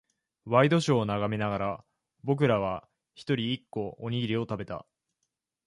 ワイドショーを眺めながら、僕らは一人、一個、おにぎりを食べた。